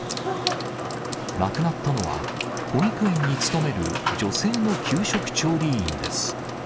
亡くなったのは、保育園に勤める女性の給食調理員です。